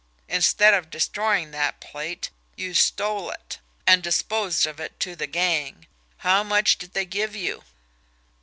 Instead of destroying that plate, you stole it, and disposed of it to the gang. How much did they give you?"